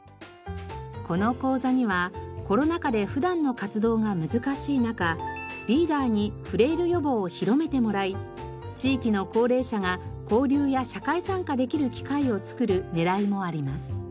この講座にはコロナ禍で普段の活動が難しい中リーダーにフレイル予防を広めてもらい地域の高齢者が交流や社会参加できる機会を作る狙いもあります。